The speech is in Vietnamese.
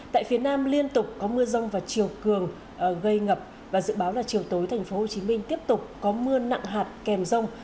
tại phía nam liên tục có mưa rong và chiều cường gây ngập và dự báo là chiều tối thành phố hồ chí minh tiếp tục có mưa nặng hạt kèm rong